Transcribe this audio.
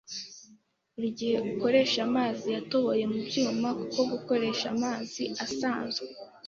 Buri gihe ukoreshe amazi yatoboye mubyuma kuko gukoresha amazi asanzwe